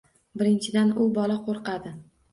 Birinchidan, u bola qo‘rqadi.